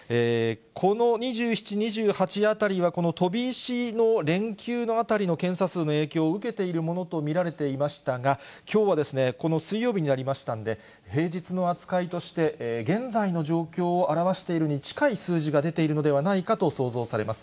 この２７、２８あたりはこの飛び石の連休のあたりの検査数の影響を受けているものと見られていましたが、きょうはこの水曜日になりましたんで、平日の扱いとして、現在の状況を表しているに近い数字が出ているのではないかと想像されます。